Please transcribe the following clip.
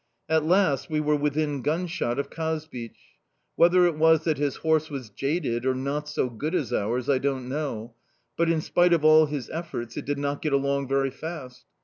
"At last we were within gunshot of Kazbich. Whether it was that his horse was jaded or not so good as ours, I don't know, but, in spite of all his efforts, it did not get along very fast.